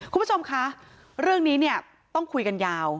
คุณผู้ชมคะเรื่องนี้เนี่ยต้องคุยกันยาว